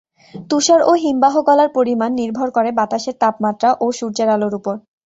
তুষার ও হিমবাহ গলার পরিমাণ নির্ভর করে বাতাসের তাপমাত্রা ও সূর্যের আলোর উপর।